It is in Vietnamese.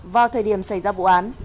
vào thời điểm xảy ra vụ án